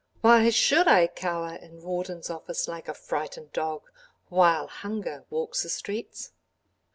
Why should I cower in Rawdon's office, like a frightened dog, while hunger walks the streets?